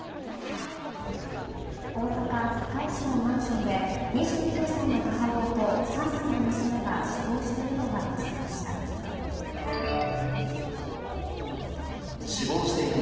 大阪・堺市のマンションで２９歳の母親と３歳の娘が死亡しているのが見つかりました。